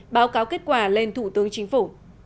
báo cáo kết quả lên thủ tướng chính phủ